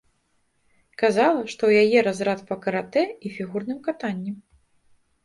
Казала, што ў яе разрад па каратэ і фігурным катанні.